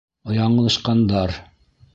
Яңылышҡандар.